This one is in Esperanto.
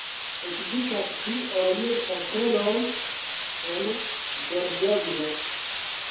Ekzistas pli ol mil kasteloj en Dordogne.